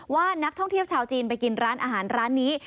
ว่านักท่องเที่ยวชาวจีนไปกินร้านอาหารร้านนี้